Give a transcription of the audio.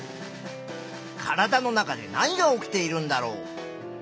体の中で何が起きているんだろう。